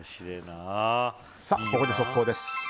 ここで速報です。